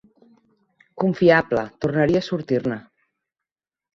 Confiable" tornaria a sortir-ne.